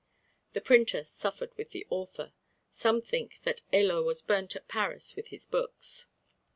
The printer suffered with the author. Some think that Hélot was burnt at Paris with his books.